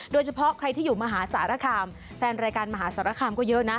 โดยเฉพาะใครที่อยู่มหาสารคามแฟนรายการมหาสารคามก็เยอะนะ